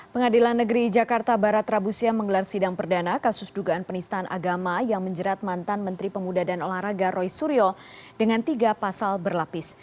pengadilan negeri jakarta barat rabu siang menggelar sidang perdana kasus dugaan penistaan agama yang menjerat mantan menteri pemuda dan olahraga roy suryo dengan tiga pasal berlapis